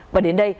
và đến đây